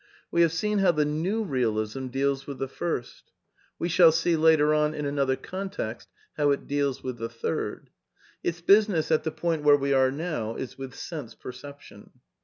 We have seen how the New Realism deals with the first. 168 A DEFENCE OF IDEALISM We shall see, later on, in another context, how it deals ^ith the third. Its business, at the point where we are now, is with sense perception.